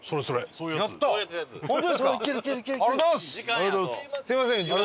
ありがとうございます。